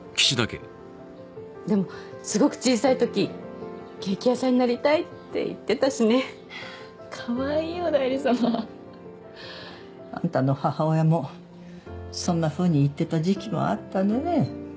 でもすごく小さいときケーキ屋さんになりたいって言ってたしねかわいいおだいり様あんたの母親もそんなふうに言ってた時期もあったね